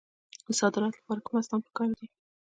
د صادراتو لپاره کوم اسناد پکار دي؟